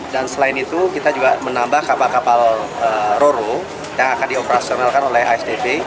dan selain itu kita juga menambah kapal kapal roro yang akan dioperasionalkan oleh hdb